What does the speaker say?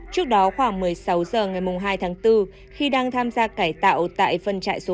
trước đó khoảng một mươi sáu h ngày hai tháng bốn khi đang tham gia cải tạo tại phân trại số chín